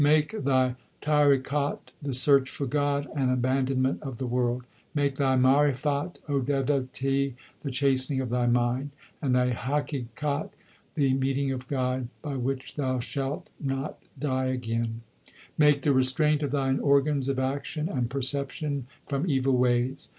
Make thy tariqat the search for God and abandonment of the world ; Make thy marifat, O devotee, the chastening of thy mind ; and thy haqikat the meeting of God, by which thou shalt not die again, Make the restraint of thine organs of action and perception from evil ways.